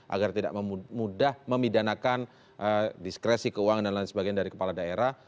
agar tidak mudah memidanakan diskresi keuangan dan lain sebagainya dari kepala daerah